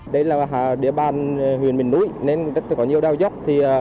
đây là địa bàn huyện mình núi nên có nhiều đao dốc